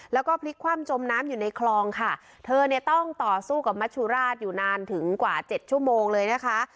แล้วก็พลิกคว่ำจมน้ำอยู่ในคลองค่ะเธอเนี่ยต้องต่อสู้กับมัชุราชอยู่นานถึงกว่าเจ็ดชั่วโมงเลยนะคะ